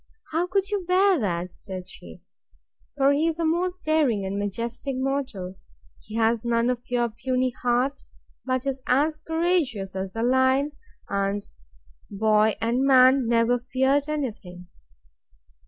—How could you bear that? said she: for he is a most daring and majestic mortal! He has none of your puny hearts, but is as courageous as a lion; and, boy and man, never feared any thing.